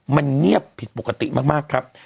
มันเงียบผิดปกติมากครับ